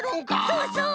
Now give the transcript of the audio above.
そうそう！